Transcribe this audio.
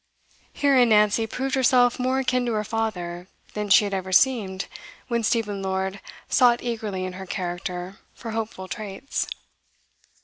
Herein Nancy proved herself more akin to her father than she had ever seemed when Stephen Lord sought eagerly in her character for hopeful traits.